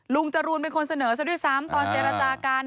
จรูนเป็นคนเสนอซะด้วยซ้ำตอนเจรจากัน